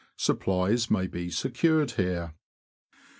Supplies may be secured here.